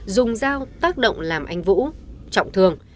dùng dao tác động làm anh vũ trọng thương